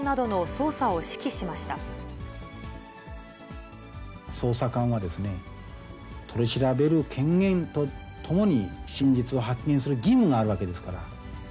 捜査官は取り調べる権限とともに、真実を発見する義務があるわけですから。